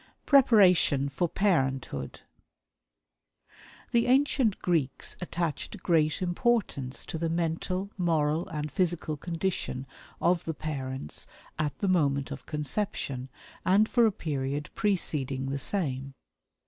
Preparation for Parenthood. The ancient Greeks attached great importance to the mental, moral and physical condition of the parents at the moment of conception, and for a period preceding the same.